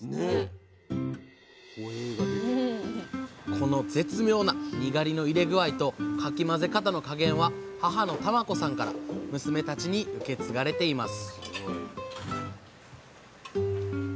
この絶妙なにがりの入れ具合とかき混ぜ方の加減は母の玉子さんから娘たちに受け継がれています